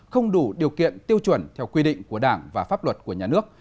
không đủ điều kiện tiêu chuẩn theo quy định của đảng và pháp luật của nhà nước